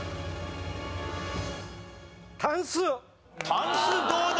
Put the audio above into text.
タンスどうだ？